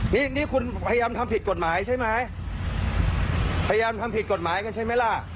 นี่คุณพยายามทำผิดกฎหมายใช่ไหม